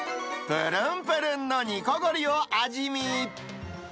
ぷるんぷるんの煮凝りを味見。